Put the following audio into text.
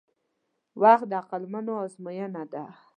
• وخت د عقلونو ازموینه ده.